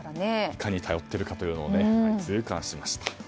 いかに頼っているのかを痛感しました。